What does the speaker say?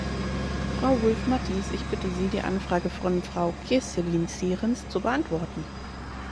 Frau Wulf-Mathies, ich bitte Sie, die Anfrage von Frau Kestelijn-Sierens zu beantworten.